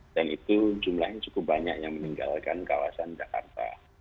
dan itu jumlahnya cukup banyak yang meninggalkan kawasan jakarta